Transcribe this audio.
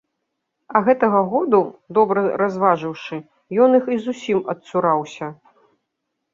А гэтага году, добра разважыўшы, ён іх і зусім адцураўся.